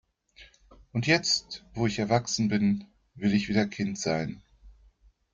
Und jetzt, wo ich erwachsen bin, will ich wieder Kind sein.